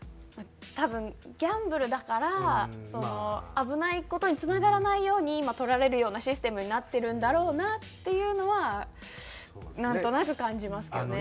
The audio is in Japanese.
多分ギャンブルだから危ない事につながらないように取られるようなシステムになってるんだろうなっていうのはなんとなく感じますけどね。